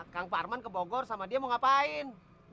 kang farman ke bogor sama dia mau ngapain